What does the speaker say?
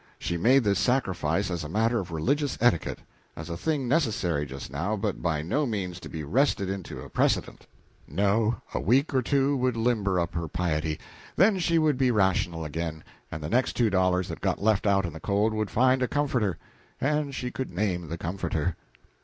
She made this sacrifice as a matter of religious etiquette; as a thing necessary just now, but by no means to be wrested into a precedent; no, a week or two would limber up her piety, then she would be rational again, and the next two dollars that got left out in the cold would find a comforter and she could name the comforter.